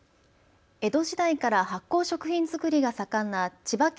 江戸時代から発酵食品づくりが盛んな千葉県